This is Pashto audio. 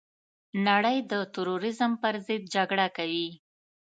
نړۍ د تروريزم پرضد جګړه کوي.